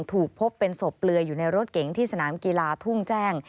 ถูกพบเป็นศพเปลือยอยู่ในรถเก๋งที่สนามกีฬาทุ่งแจ้ง